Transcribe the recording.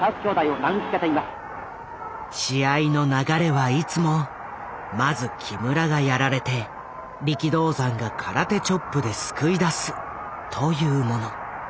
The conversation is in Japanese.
試合の流れはいつもまず木村がやられて力道山が空手チョップで救い出すというもの。